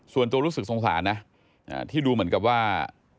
ส่วนตัวรู้สึกสงสารนะที่ดูเหมือนกับว่า